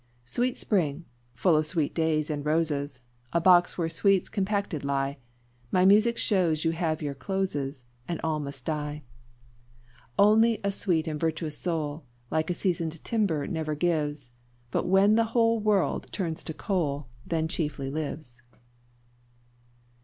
"Sweet spring! full of sweet days and roses, A box where sweets compacted lie, My music shows you have your closes, And all must die. "Only a sweet and virtuous soul, Like season'd timber, never gives; But when the whole world turns to coal, Then chiefly lives."